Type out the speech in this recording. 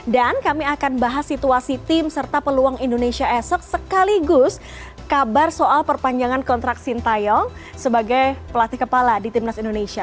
dan kami akan bahas situasi tim serta peluang indonesia esok sekaligus kabar soal perpanjangan kontrak sintayong sebagai pelatih kepala di timnas indonesia